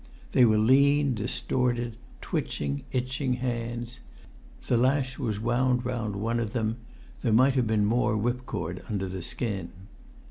They were lean, distorted, twitching, itching hands. The lash was wound round one of them; there might have been more whipcord under the skin.